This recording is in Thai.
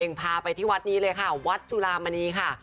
พาไปที่วัดนี้เลยค่ะวัดจุลามณีค่ะ